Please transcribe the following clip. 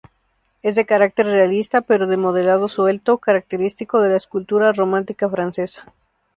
Es de carácter realista, pero de modelado suelto, característico de la escultura romántica francesa.